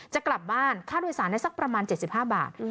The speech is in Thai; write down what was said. จะกลับบ้านค่าโดยสารได้สักประมาณ๗๕บาท